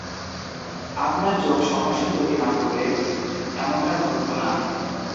আপনার চোখ সমস্যা তৈরি না-করলে এমনটা ঘটত না।